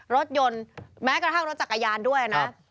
รถยนต์แม้กระทั่งรถจักรยานด้วยนะ